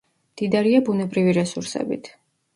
მდიდარია ბუნებრივი რესურსებით.